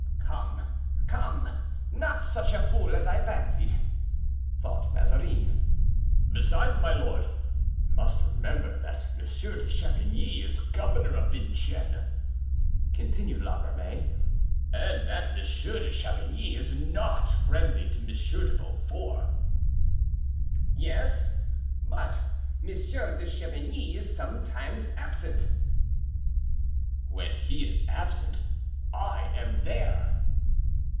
"Come, come; not such a fool as I fancied!" thought Mazarin. "Besides, my lord must remember that Monsieur de Chavigny is governor of Vincennes," continued La Ramee, "and that Monsieur de Chavigny is not friendly to Monsieur de Beaufort." "Yes, but Monsieur de Chavigny is sometimes absent." "When he is absent I am there."